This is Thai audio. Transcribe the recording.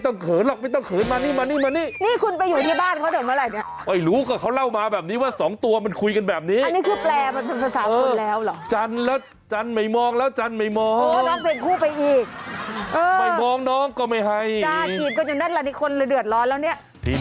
น้องเขาข้ามสเต็ป